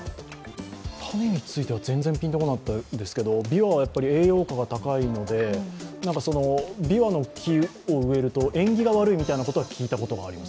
種については全然ピンとこなかったですけどびわは栄養価が高いのでびわの木を植えると縁起が悪いみたいなことは聞いたことがあります。